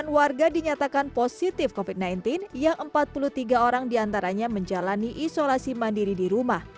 sembilan warga dinyatakan positif covid sembilan belas yang empat puluh tiga orang diantaranya menjalani isolasi mandiri di rumah